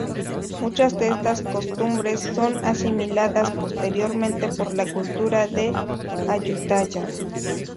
Muchas de estas costumbres son asimiladas posteriormente por la cultura de Ayutthaya.